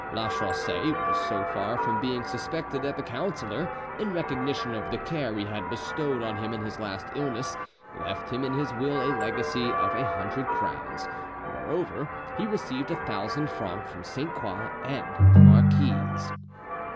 Lachaussee was so far from being suspected, that the councillor, in recognition of the care he had bestowed on him in his last illness, left him in his will a legacy of a hundred crowns; moreover, he received a thousand francs from Sainte Croix and the marquise.